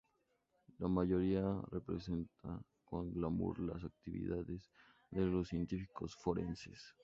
La mayoría representa con glamour las actividades de los científicos forenses.